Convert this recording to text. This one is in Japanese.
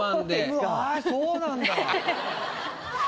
うわそうなんだ。